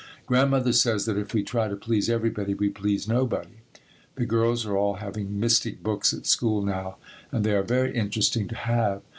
Grandmother says that if we try to please everybody we please nobody. The girls are all having mystic books at school now and they are very interesting to have.